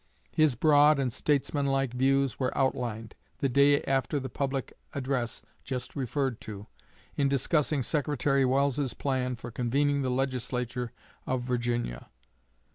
His broad and statesmanlike views were outlined, the day after the public address just referred to, in discussing Secretary Welles's plans for convening the legislature of Virginia.